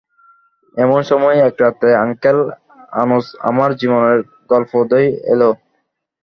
এমন সময় এক রাতে, আঙ্কেল আনোচ আমার জীবনের গল্পে উদয় এলো।